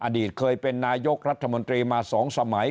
อดีตเคยเป็นนายกรัฐมนตรีมา๒สมัย